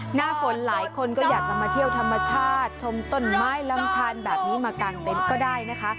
หน้าฝนหลายคนก็อยากจะมาเที่ยวธรรมชาติชมต้นไม้ลำทานแบบนี้มากางเต็นต์ก็ได้นะคะ